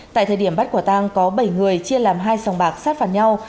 tại thời điểm bắt quả tang có bảy người chia làm hai sòng bạc sát phạt nhau